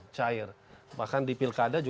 cair bahkan di pilkada